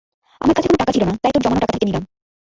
আমার কাছে কোনো টাকা ছিল না, তাই তোর জমানো টাকা থেকে নিলাম।